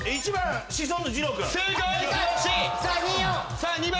さぁ２番！